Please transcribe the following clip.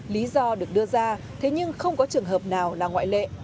lý do được đưa ra thế nhưng không có trường hợp nào là ngoại lệ